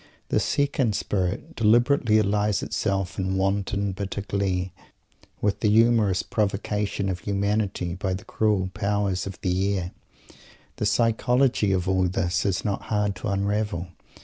The second spirit deliberately allies itself in wanton, bitter glee, with the humorous provocation of humanity, by the cruel Powers of the Air. The psychology of all this is not hard to unravel.